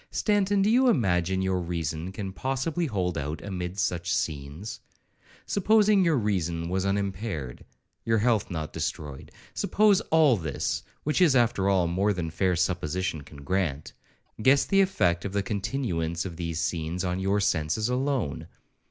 —Stanton, do you imagine your reason can possibly hold out amid such scenes?—Supposing your reason was unimpaired, your health not destroyed,—suppose all this, which is, after all, more than fair supposition can grant, guess the effect of the continuance of these scenes on your senses alone.